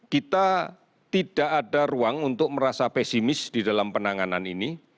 kita tidak ada ruang untuk merasa pesimis di dalam penanganan ini